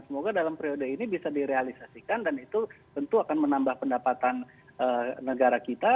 semoga dalam periode ini bisa direalisasikan dan itu tentu akan menambah pendapatan negara kita